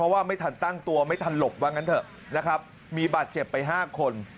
ว่าไม่ทันตั้งตัวไม่ทันหลบว่างั้นเถอะนะครับมีบาดเจ็บไป๕คน